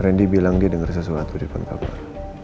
randy bilang dia dengar sesuatu di depan kamar